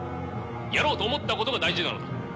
やろうと思ったことが大事なのだ。